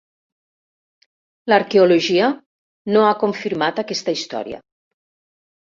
L'arqueologia no ha confirmat aquesta història.